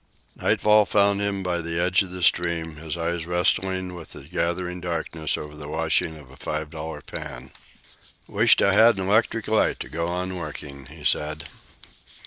Nightfall found him by the edge of the stream, his eyes wrestling with the gathering darkness over the washing of a five dollar pan. "Wisht I had an electric light to go on working," he said.